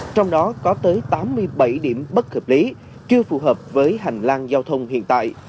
trong đó có tới tám mươi bảy điểm bất hợp lý chưa phù hợp với hành lang giao thông hiện tại